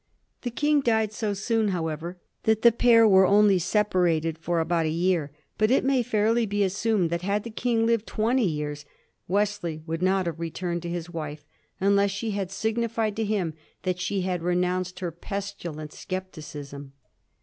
The King died so soon, how ever, that the pair were only separated for about a year ; but it may fairly be assumed that, had the King lived twenty years, Wesley would not . have retunied to his wife unless she had signified to him that she had re nounced her pestilent scepticism.